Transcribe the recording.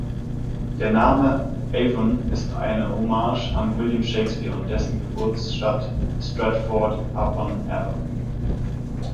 Der Name Avon ist eine Hommage an William Shakespeare und dessen Geburtsstadt Stratford-upon-Avon.